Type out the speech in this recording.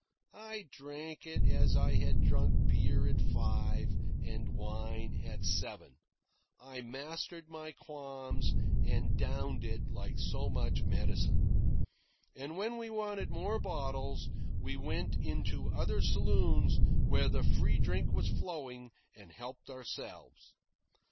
I drank it as I had drunk beer at five, and wine at seven. I mastered my qualms and downed it like so much medicine. And when we wanted more bottles, we went into other saloons where the free drink was flowing, and helped ourselves.